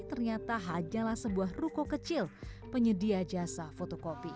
ternyata hanyalah sebuah ruko kecil penyedia jasa fotokopi